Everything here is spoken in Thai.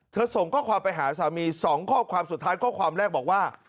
ส่งข้อความไปหาสามี๒ข้อความสุดท้ายข้อความแรกบอกว่า